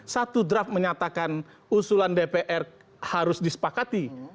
satu draft menyatakan usulan dpr harus disepakati